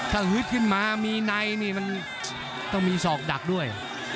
ถ้าฮึดขึ้นมามีในนี่มันต้องมีศอกดักด้วย